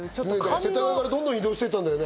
世田谷からどんどん移動していったんだよね。